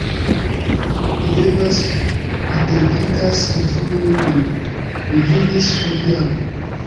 Vi devas, vi devintas informi min. Mi vidis hodiaŭ.